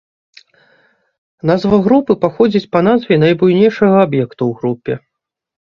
Назва групы паходзіць па назве найбуйнейшага аб'екта ў групе.